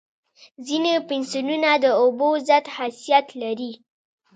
ځینې پنسلونه د اوبو ضد خاصیت لري.